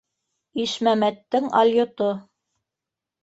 Ишмәмәттең алйото.